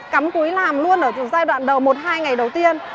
cắm cuối làm luôn ở giai đoạn đầu một hai ngày đầu tiên